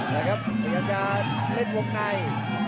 แล้วก็จะเล่นวงใน